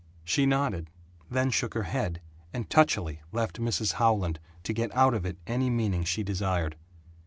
She nodded, then shook her head, and touchily left Mrs. Howland to get out of it any meaning she desired.